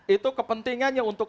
itu kepentingannya untuk